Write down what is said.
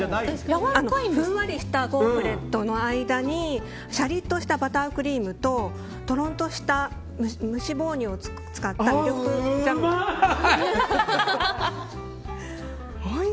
ふんわりしたゴーフレットの間にシャリッとしたバタークリームととろんとした無脂肪乳を使ったうまい！